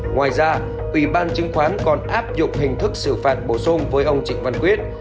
ngoài ra ủy ban chứng khoán còn áp dụng hình thức xử phạt bổ sung với ông trịnh văn quyết